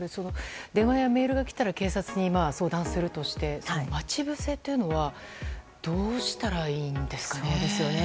電話やメールが来たら警察に相談するとして待ち伏せというのはどうしたらいいんですかね。